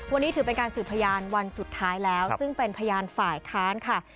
วันนี้ถือเป็นการสืบพยานวันสุดท้ายแล้วซึ่งเป็นพยานฝ่ายค้านค่ะ